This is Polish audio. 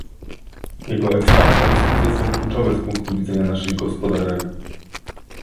Jego ekspansja i sukces są kluczowe z punktu widzenia naszych gospodarek